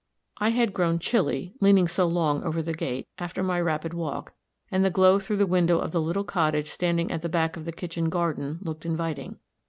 I had grown chilly, leaning so long over the gate, after my rapid walk, and the glow through the window of the little cottage standing at the back of the kitchen garden, looked inviting.